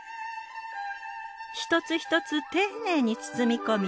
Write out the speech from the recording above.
一つ一つ丁寧に包み込み